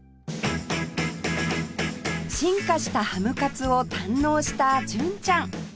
進化したハムカツを堪能した純ちゃん